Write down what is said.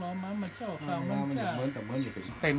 ก็คือสามารถจะทำเหตุรักษ์กรรมขอบคุณท่าน